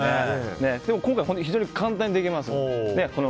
でも今回本当に非常に簡単にできます。